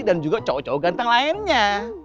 dan juga cowok cowok ganteng lainnya